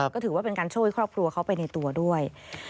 ก็ถือว่าเป็นการช่วยครอบครัวเขาไปในตัวด้วย